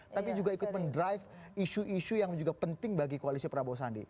tapi juga ikut mendrive isu isu yang juga penting bagi koalisi prabowo sandi